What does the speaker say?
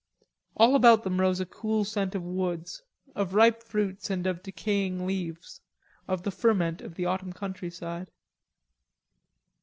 All about them rose a cool scent of woods, of ripe fruits and of decaying leaves, of the ferment of the autumn countryside.